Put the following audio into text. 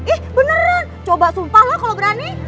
ih beneran coba sumpah lah kalau berani